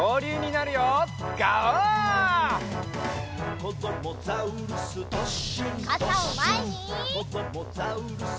「こどもザウルス